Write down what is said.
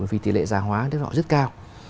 vì tỷ lệ già hóa rất là rất cao